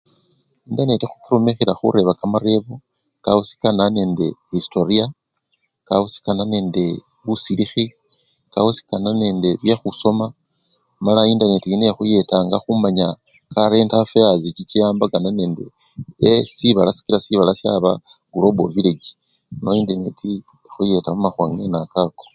Entaneti khukirumikhila khureba kamarebo kawusikana nende khisitoriya, kawusikana nende busilikhi, kawisikana nende byekhusoma mala entaneti yino ekhuyetanga khumanya karenti affeyasi chichiwambakana nende sibala ee! sikila sibala syaba globo village mala entaneti ekhuyeta mumakhuwa kene-akako.